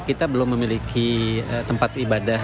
kita belum memiliki tempat ibadah